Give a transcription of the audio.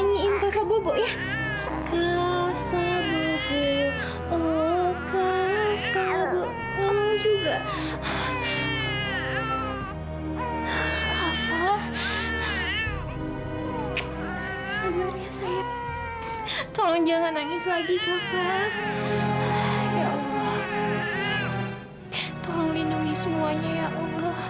sampai jumpa di video selanjutnya